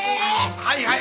はいはい。